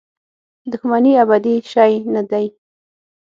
دښمني ابدي شی نه دی.